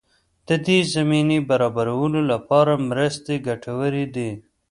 د دې زمینې برابرولو لپاره مرستې ګټورې دي.